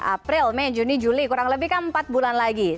april mei juni juli kurang lebih kan empat bulan lagi